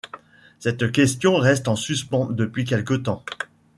Cette question reste en suspens depuis quelque temps.